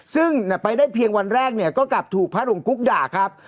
ซึ่งไปได้เพียงวันแรกเนี่ยก็กลับถูกพัดหลงกุ๊กด่าครับ